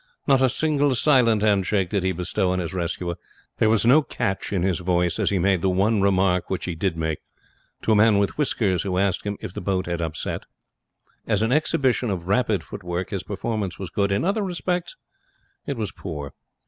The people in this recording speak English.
Not a single silent hand shake did he bestow on his rescuer. There was no catch in his voice as he made the one remark which he did make to a man with whiskers who asked him if the boat had upset. As an exhibition of rapid footwork his performance was good. In other respects it was poor.